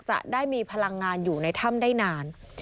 จะได้มีพลังงานอยู่ในถ้ำได้นาน